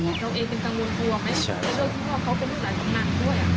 เขาเองเป็นกังวลกลัวไหมและด้วยที่ว่าเขาเป็นลูกหลายของนางด้วยอ่ะ